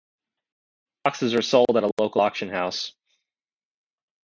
The boxes are sold at a local auction house.